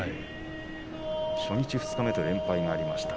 初日、二日目と連敗がありました。